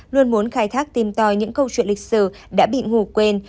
luôn muốn khai thác tìm tòi những câu chuyện lịch sử đã bị ngủ quên